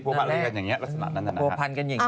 พวกพันธุ์อยู่กันอย่างนี้ลักษณะนั้นน่ะนะคะ